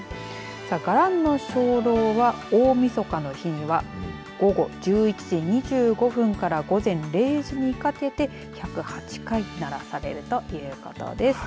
さあ伽藍の鐘楼は大みそかの日には午後１１時２５分から午前０時にかけて１０８回鳴らされるということです。